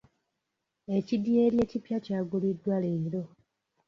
Ekidyeri ekipya kyaguliddwa leero.